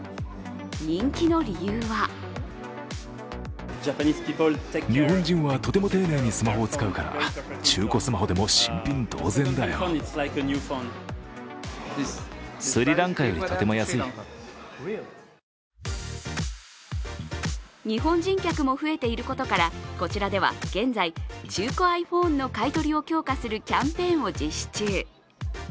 人気の理由は日本人客も増えていることから、こちらでは現在、中古ｉＰｈｏｎｅの買い取りを強化するキャンペーンを実施中。